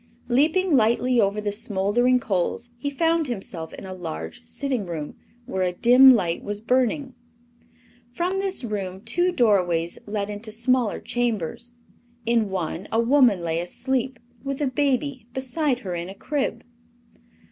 Leaping lightly over the smoldering coals he found himself in a large sitting room, where a dim light was burning. From this room two doorways led into smaller chambers. In one a woman lay asleep, with a baby beside her in a crib.